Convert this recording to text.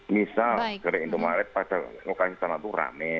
misal gerai endomaret pada lokasi tanah itu rame